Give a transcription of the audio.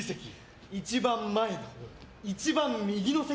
一番前の一番右の席。